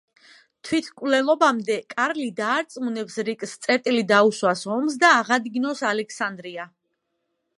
თვითმკვლელობამდე, კარლი დაარწმუნებს რიკს წერტილი დაუსვას ომს და აღადგინოს ალექსანდრია.